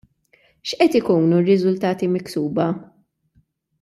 X'qed ikunu r-riżultati miksuba?